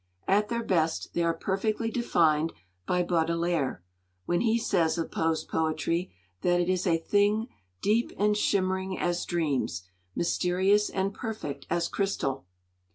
At their best they are perfectly defined by Baudelaire, when he says of Poe's poetry that it is a thing 'deep and shimmering as dreams, mysterious and perfect as crystal.'